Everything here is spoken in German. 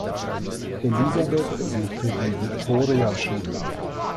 Elisabeth besuchte die Viktoriaschule.